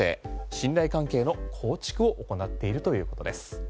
信頼関係の構築を行っているということです。